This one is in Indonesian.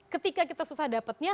ketika kita susah dapatnya